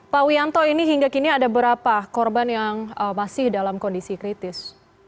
pak wianto ini hingga kini ada berapa korban yang masih dalam kondisi kritis